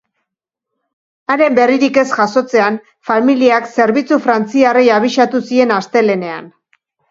Haren berririk ez jasotzean, familiak zerbitzu frantziarrei abisatu zien astelehenean.